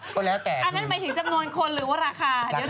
ก็แล้วแต่อันนั้นหมายถึงจำนวนคนหรือว่าราคา